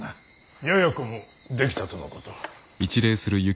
ややこもできたとのこと。